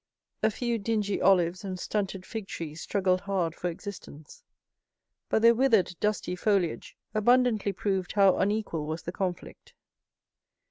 A few dingy olives and stunted fig trees struggled hard for existence, but their withered dusty foliage abundantly proved how unequal was the conflict.